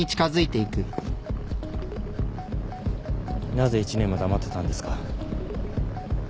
なぜ１年も黙ってたんですか？